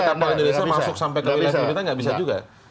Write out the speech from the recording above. misalnya kapal indonesia masuk sampai ke wilayah filipina tidak bisa juga